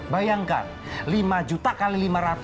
bayangkan lima juta kali lima ratus